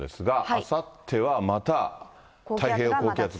あさってはまた、太平洋高気圧が。